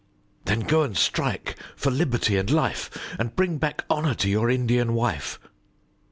Then go and strike for liberty and life, And bring back honour to your Indian wife.